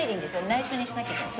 内緒にしなきゃいけない。